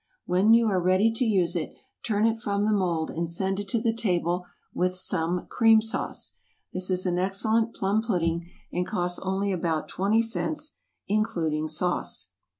When you are ready to use it, turn it from the mould and send it to the table with some CREAM SAUCE. This is an excellent plum pudding, and costs only about twenty cents, including sauce.